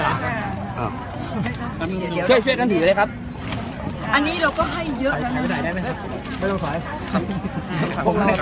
ขอช่วยคุณพี่อีกท่านหนึ่งครับ